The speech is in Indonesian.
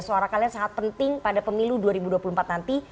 suara kalian sangat penting pada pemilu dua ribu dua puluh empat nanti